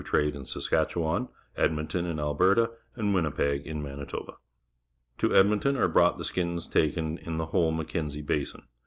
These pro Sa.skatchewan ; Edmonto n^ in Alberta: and Winnipe g, in ^Man itoba. To Edmonton are brought the skins taken in the whole Mac kenzie Ba.sin.